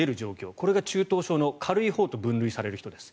これが中等症の軽いほうと分類される人です。